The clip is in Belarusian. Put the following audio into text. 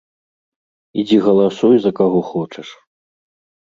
Ідзі галасуй за каго хочаш.